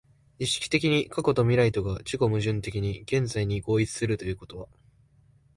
意識的に過去と未来とが自己矛盾的に現在に合一するということは、